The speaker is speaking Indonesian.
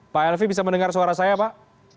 pak elvi bisa mendengar suara saya pak